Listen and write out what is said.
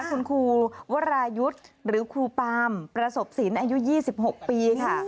คุณครูวรายุทธ์หรือครูปามประสบศิลป์อายุ๒๖ปีค่ะ